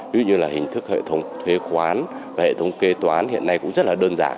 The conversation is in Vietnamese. ví dụ như là hình thức hệ thống thuế khoán và hệ thống kê toán hiện nay cũng rất là đơn giản